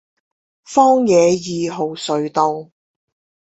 枋野二號隧道